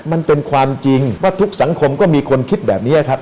มันจนความจริงว่าทุกสังคมก็มีคนคิดแบบนี้ครับ